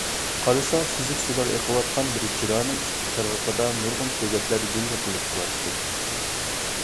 قارىسا، سۈزۈك سۇلار ئېقىۋاتقان بىر جىرانىڭ ئىككى قىرغىقىدا نۇرغۇن سۆگەتلەر جىلۋە قىلىپ تۇراتتى.